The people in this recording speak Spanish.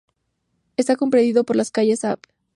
Está comprendido por las calles Av.